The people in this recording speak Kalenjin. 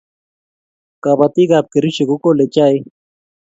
Kapatik ap kericho ko kolei chaik